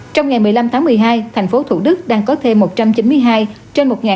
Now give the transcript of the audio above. trong ngày một mươi năm tháng một mươi hai tp thủ đức đang có thêm một trăm chín mươi hai